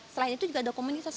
selain itu juga ada komunitas